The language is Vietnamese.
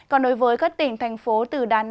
còn đối với các tỉnh thành phố từ đà nẵng